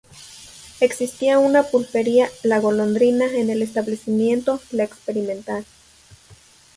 Existía una pulpería "La Golondrina" en el establecimiento "La Experimental.